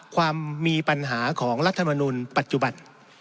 ความมีปัญหาของรัฐมนุนปัจจุบัน